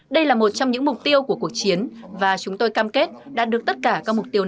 đây là một trong những mục tiêu của cuộc chiến và chúng tôi cam kết đạt được tất cả các mục tiêu